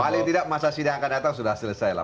paling tidak masa sidang akan datang sudah selesai lah